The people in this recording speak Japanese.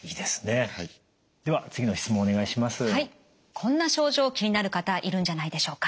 こんな症状気になる方いるんじゃないでしょうか？